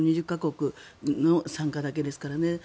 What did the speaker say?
１２０か国の参加だけですからね。